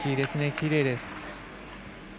きれいです。